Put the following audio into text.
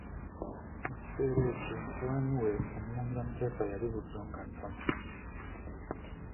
Mu kiseera ekyo mutabani we, Omulangira Muteesa yali Buddo ng'asoma.